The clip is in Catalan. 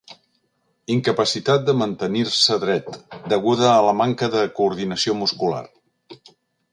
Incapacitat de mantenir-se dret, deguda a la manca de coordinació muscular.